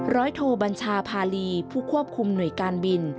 โทบัญชาพาลีผู้ควบคุมหน่วยการบิน